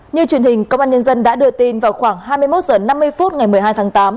như truyền hình công an nhân dân đã đưa tin vào khoảng hai mươi một h năm mươi phút ngày một mươi hai tháng tám